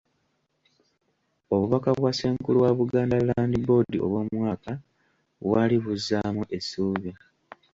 Obubaka bwa Ssenkulu wa Buganda Land Board obwomwaka bwali buzzaamu essuubi.